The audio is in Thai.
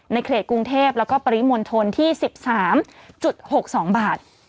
ในเขตกรุงเทพแล้วก็ปริมณฑลที่๑๓๖๒บาท